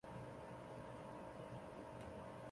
弗里堡州在这附近也拥有三块位于沃州境内的飞地。